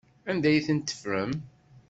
Anda ay tent-teffrem?